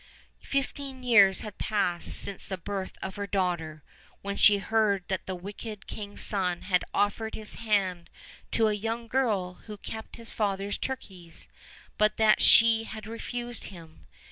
Fifteen years had passed since the birth of her daughter, when she heard that the wicked king's son had offered his hand to a young girl who kept his father's turkeys, but that she had refused him.